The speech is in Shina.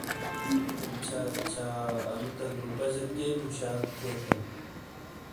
اچھا اچھا، انو تہ گروپہ جہ کئیے مشاک تھیے تھان؟